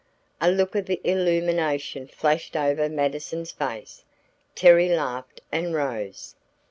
A look of illumination flashed over Mattison's face. Terry laughed and rose.